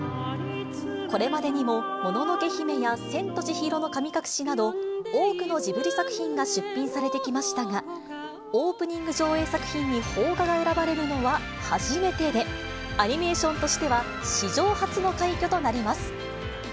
これまでにも、もののけ姫や千と千尋の神隠しなど、多くのジブリ作品が出品されてきましたが、オープニング上映作品に邦画が選ばれるのは初めてで、アニメーションとしては、史上初の快挙となります。